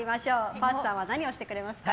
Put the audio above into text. パースさんは何をしてくれますか。